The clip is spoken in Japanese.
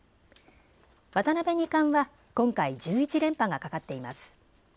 渡辺二冠は今回１１連覇がかかっています。